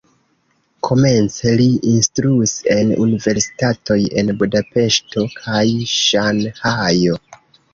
Komence li instruis en universitatoj en Budapeŝto kaj Ŝanhajo.